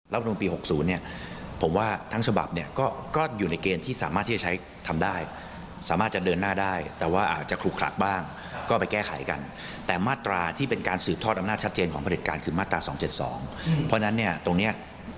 และก็สมควรจะรับการแก้ไข